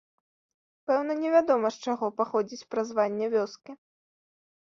Пэўна невядома, з чаго паходзіць празванне вёскі.